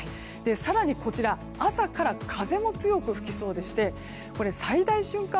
更に朝から風も強く吹きそうで最大瞬間